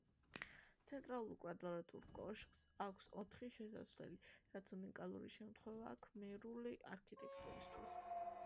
ცენტრალურ კვადრატულ კოშკს აქვს ოთხი შესასვლელი, რაც უნიკალური შემთხვევაა ქმერული არქიტექტურისთვის.